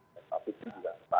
seperti itu juga